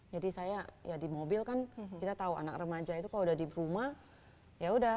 jadi saya ya di mobil kan kita tahu anak remaja itu kalau udah di rumah ya udah